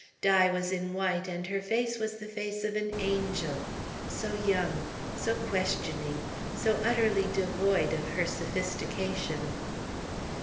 Di was in white, and her face was the face of an angel, so young, so questioning, so utterly devoid of her sophistication.